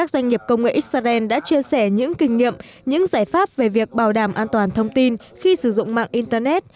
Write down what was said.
công nghệ xrn đã chia sẻ những kinh nghiệm những giải pháp về việc bảo đảm an toàn thông tin khi sử dụng mạng internet